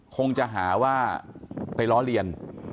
คงจะหาว่าไปล้อเลียน